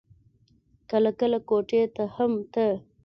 کله کله کوټې ته هم ته.